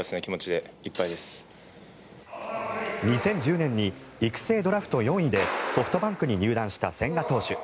２０１０年に育成ドラフト４位でソフトバンクに入団した千賀投手。